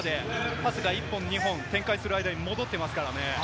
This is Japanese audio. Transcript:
パスが１本、２本と展開する間に戻ってますからね。